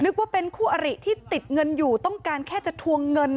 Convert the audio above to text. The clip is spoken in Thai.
ว่าเป็นคู่อริที่ติดเงินอยู่ต้องการแค่จะทวงเงิน